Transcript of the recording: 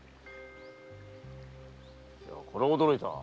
これは驚いた。